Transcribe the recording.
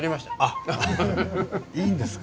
いいんですか？